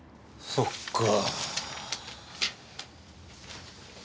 そっか。